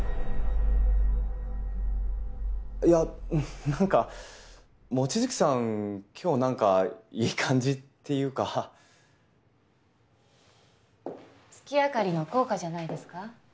いやなんか望月さん今日なんかいい感じっていうか月明かりの効果じゃないですか？